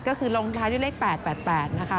ก็คือลงท้ายด้วยเลข๘๘นะคะ